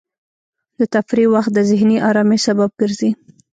د تفریح وخت د ذهني ارامۍ سبب ګرځي.